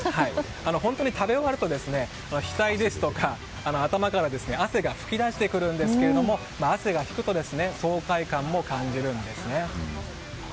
本当に食べ終わると、額ですとか頭から汗が噴き出してくるんですけど汗が引くと爽快感も感じるんですね。